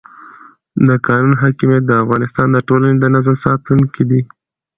د قانون حاکمیت د افغانستان د ټولنې د نظم ساتونکی دی